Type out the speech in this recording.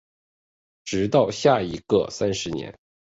直到下一个三十年